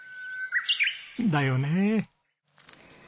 だよねえ。